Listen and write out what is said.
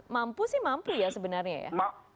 mampu sih mampu ya sebenarnya ya